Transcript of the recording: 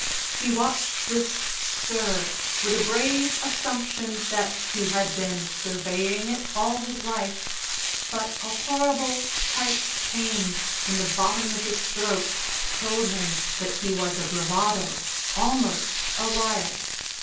He watched this stir with a brave assumption that he had been surveying it all his life, but a horrible tight pain in the bottom of his throat told him that he was a bravado, almost a liar.